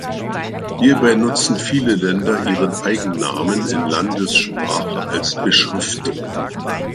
Hierbei nutzen viele Länder ihren Eigennamen in Landessprache als Beschriftung.